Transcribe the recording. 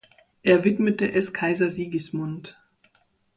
Er widmete es Kaiser Sigismund.